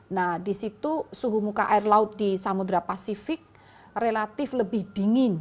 nah di situ suhu muka air laut di samudera pasifik relatif lebih dingin